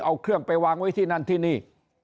เอาเครื่องไปวางไว้ที่นั่นที่นี่